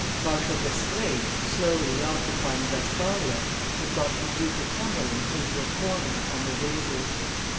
Marshal d'Estrees, slowly occupying Westphalia, had got the Duke of Cumberland into a corner on the Weser.